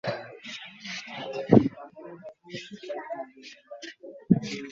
শর্মা রঙিন রাতে ছবিতে তাকে নায়িকা করেন।